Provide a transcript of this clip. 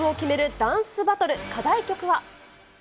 ダンスバトル、課題曲は。